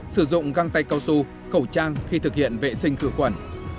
sử dụng găng tay cao su khẩu trang khi thực hiện vệ sinh khử khuẩn